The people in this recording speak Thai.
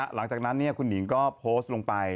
หลังจากนั้นคุณหนิงก็โพสต์ลงไป